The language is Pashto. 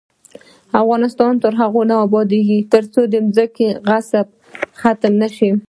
افغانستان تر هغو نه ابادیږي، ترڅو د ځمکو غصب ختم نشي.